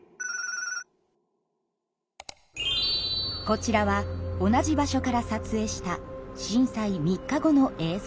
こちらは同じ場所から撮影した震災３日後の映像です。